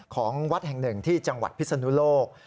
ของวัดแห่งหนึ่งที่จังหวัดพิศนุโลก